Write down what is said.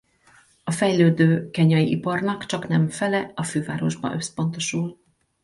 A fejlődő kenyai iparnak csaknem fele a fővárosba összpontosul.